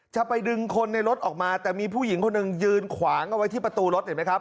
จะไปดึงคนในรถออกมาแต่มีผู้หญิงคนหนึ่งยืนขวางเอาไว้ที่ประตูรถเห็นไหมครับ